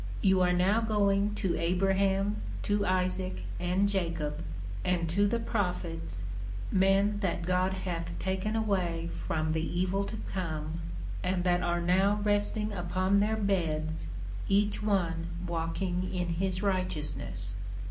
You are now going to Abraham, to Isaac, and Jacob, and to the Prophets, men that God hath taken away from the evil to come, and that are now resting upon their beds, each one walking in his righteousness.